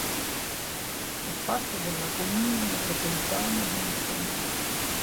È parte della comune metropolitano di Istanbul.